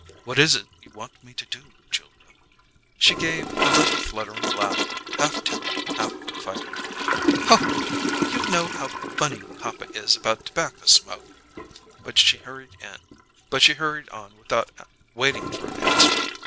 "What is it you want me to do, Julia?" She gave a little fluttering laugh, half timid, half confiding. "You know how funny papa is about tobacco smoke?" (But she hurried on without waiting for an answer.)